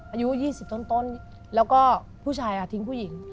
อายุ๒๐ต้นแล้วก็ผู้ชายทิ้งผู้หญิง